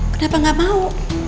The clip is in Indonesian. kenapa gak mau